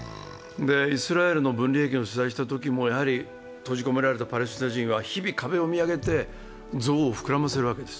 イスラエルの分離壁の取材をしたときも閉じ込められたパレスチナ人が日々壁を見上げて憎悪を膨らませるわけです。